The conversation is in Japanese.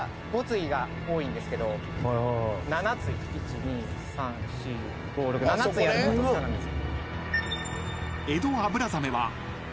１２３４５６７対あるのが特徴なんです。